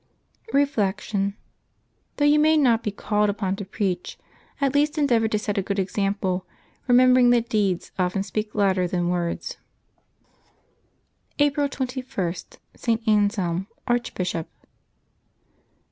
Reflection. — Though you may not be called upon to preach, at least endeavor to set a good example, remember ing that deeds often speak louder than words. . April 21.— ST. ANSELM, Archbishop.